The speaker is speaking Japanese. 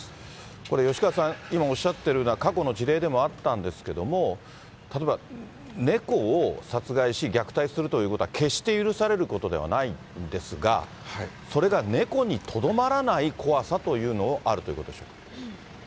これ、吉川さん、今おっしゃってるような、過去の事例でもあったんですけども、例えば猫を殺害し、虐待するということは決して許されることではないんですが、それが猫にとどまらない怖さというのもあるということでしょうか。